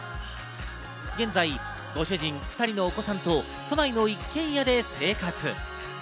現在ご主人、２人のお子さんと都内の一軒家で生活。